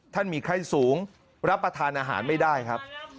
มีไข้สูงรับประทานอาหารไม่ได้ครับ